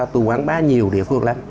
tôi quán bá nhiều địa phương lắm